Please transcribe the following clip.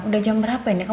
kan kalau kita paham